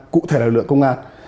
cụ thể là lực lượng công an